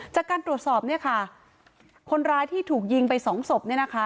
จากการตรวจสอบเนี่ยค่ะคนร้ายที่ถูกยิงไปสองศพเนี่ยนะคะ